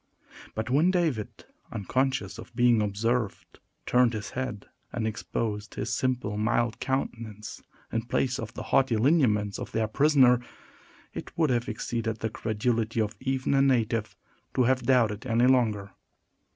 But when David, unconscious of being observed, turned his head, and exposed his simple, mild countenance, in place of the haughty lineaments of their prisoner, it would have exceeded the credulity of even a native to have doubted any longer.